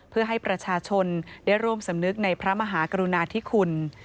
เพื่อให้ประชาชนได้ร่วมสำนึกในพระมหากรุณาธิคุณ